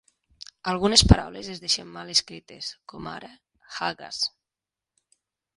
Algunes paraules es deixen mal escrites, com ara "haggas".